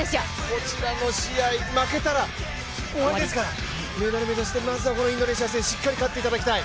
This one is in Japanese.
こちらの試合、負けたら終わりですからメダル目指してまずは頑張っていただきたい。